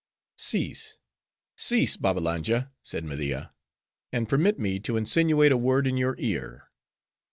'" "Cease, cease, Babbalanja," said Media, "and permit me to insinuate a word in your ear.